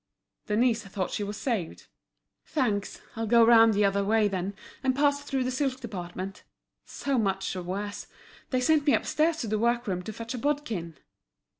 Denise thought she was saved. "Thanks, I'll go round the other way then, and pass through the silk department. So much the worse! They sent me upstairs to the work room to fetch a bodkin."